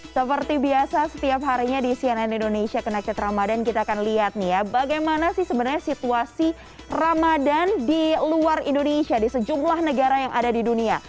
seperti biasa setiap harinya di cnn indonesia connected ramadan kita akan lihat nih ya bagaimana sih sebenarnya situasi ramadan di luar indonesia di sejumlah negara yang ada di dunia